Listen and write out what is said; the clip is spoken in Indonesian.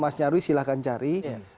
mas nyarwi silahkan cari